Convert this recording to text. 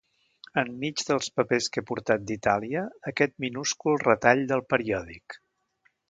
Enmig dels papers que he portat d'Itàlia, aquest minúscul retall del periòdic.